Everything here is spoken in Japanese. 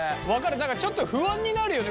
何かちょっと不安になるよね